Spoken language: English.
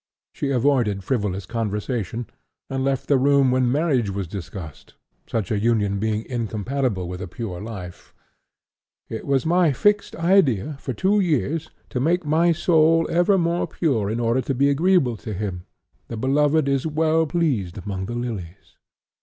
She avoided frivolous conversation, and left the room when marriage was discussed, such a union being incompatible with a pure life; 'it was my fixed idea for two years to make my soul ever more pure in order to be agreeable to Him; the Beloved is well pleased among the lilies.'